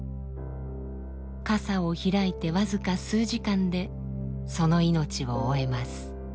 かさを開いて僅か数時間でその命を終えます。